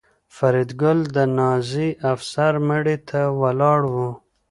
فریدګل د نازي افسر مړي ته ولاړ و